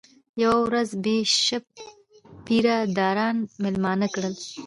یوه ورځ بیشپ پیره داران مېلمانه کړل.